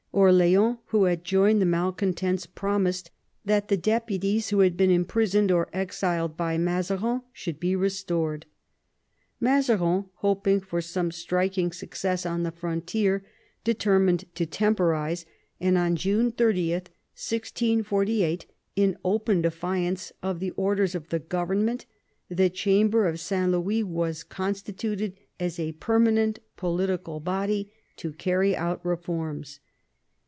Orleans, who had joined the malcontents, promised that the deputies who had been imprisoned or exiled by Mazarin should be restored. Mazarin, hoping for some striking success on the frontier, determined to temporise, and on June 30, 1648, in open defiance of the orders of the government, the Chamber of St. Louis was constituted as a permanent political body to carry out reforms.